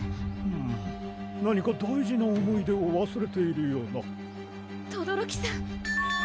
うん何か大事な思い出をわすれているような轟さん